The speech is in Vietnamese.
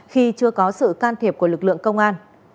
khi chưa có sự can thiệp của lực lượng công an